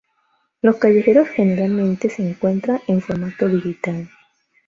Los callejeros generalmente se encuentran en formato digital.